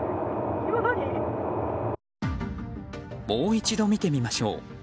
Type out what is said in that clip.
もう一度見てみましょう。